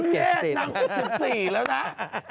นาง๖๔แล้วนะ